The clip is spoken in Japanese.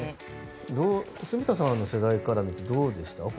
住田さんの世代からはこういうのどうでした？